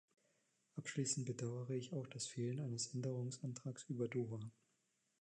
Abschließend bedauere ich auch das Fehlen eines Änderungsantrags über Doha.